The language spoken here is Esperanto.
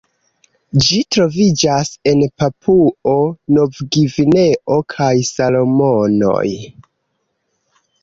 Ĝi troviĝas en Papuo-Novgvineo kaj Salomonoj.